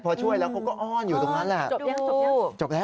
พอช่วยแล้วเขาก็อ้อนอยู่ตรงนั้นแหละ